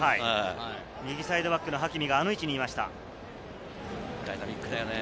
右サイドバックのハキミがあの位置にいました。